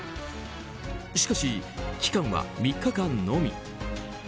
しかし、期間は３日間のみ。